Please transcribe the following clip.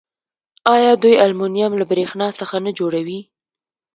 آیا دوی المونیم له بریښنا څخه نه جوړوي؟